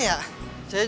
tidak ada alamatnya